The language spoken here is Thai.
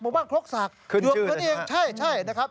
ขึ้นชื่อนะครับ